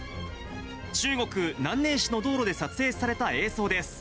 中国・南寧市の道路で撮影された映像です。